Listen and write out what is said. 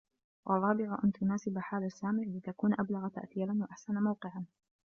وَالرَّابِعُ أَنْ تُنَاسِبَ حَالَ السَّامِعِ لِتَكُونَ أَبْلَغَ تَأْثِيرًا وَأَحْسَنَ مَوْقِعًا